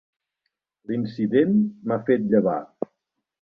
L'incident m'ha fet llevar.